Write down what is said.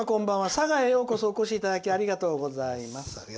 佐賀へようこそお越しいただきありがとうございます。